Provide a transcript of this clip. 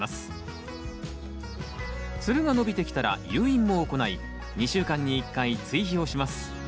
ツルが伸びてきたら誘引も行い２週間に１回追肥をします